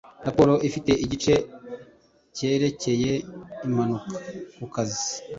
Raporo ifite igice cyerekeye impanuka ku kazi